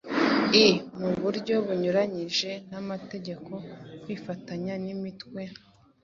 i mu buryo bunyuranyije n'amategeko kwifatanya n'imitwe